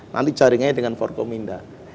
nanti jaringannya dengan forkominda